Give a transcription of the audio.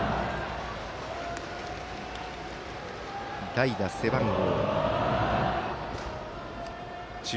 代打、背番号１０。